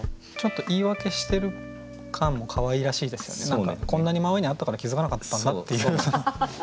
だからこんなに真上にあったから気づかなかったんだっていう。